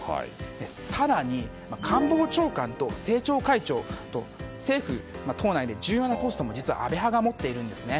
更に、官房長官と政調会長と政府党内で重要なポストも実は安倍派が持っているんですね。